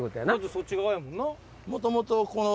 そっち側やもんな？